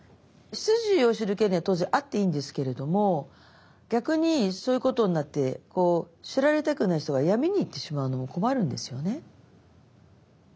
出自を知る権利は当然あっていいんですけれども逆にそういうことになって知られたくない人が闇にいってしまうのも困るんですよね。